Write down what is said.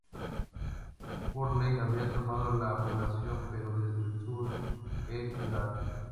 Porlier había tomado la población, pero desde el sur el Gral.